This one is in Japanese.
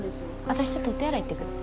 私ちょっとお手洗い行ってくる。